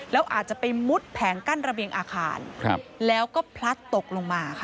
แล้วอาจจะไปมุดแผงกั้นระเบียงอาคารแล้วก็พลัดตกลงมาค่ะ